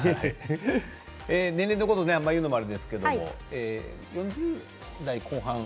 年齢のことを言うのもあれですけど４０代後半？